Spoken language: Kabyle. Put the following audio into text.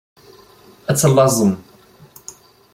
Ad tellaẓem.